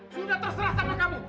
sudah terserah sama kamu